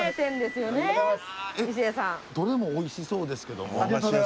どれも美味しそうですけども。